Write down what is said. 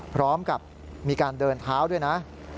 พร้อมกับมีการเดินเท้าด้วยนะ